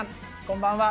こんばんは。